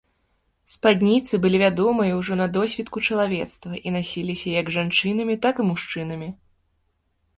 Спадніцы былі вядомыя ўжо на досвітку чалавецтва і насіліся як жанчынамі, так і мужчынамі.